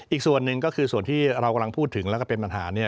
อีกส่วนหนึ่งก็คือส่วนที่เรากำลังพูดถึงแล้วก็เป็นปัญหา